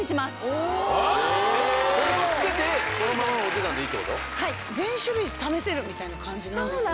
おおこれをつけてこのままのお値段でいいってことはいみたいな感じなんですね